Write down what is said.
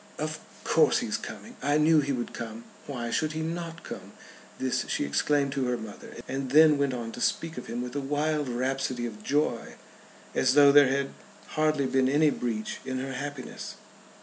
"Of course he is coming. I knew he would come. Why should he not come?" This she exclaimed to her mother, and then went on to speak of him with a wild rhapsody of joy, as though there had hardly been any breach in her happiness.